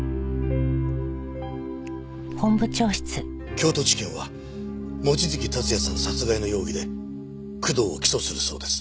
京都地検は望月達也さん殺害の容疑で工藤を起訴するそうです。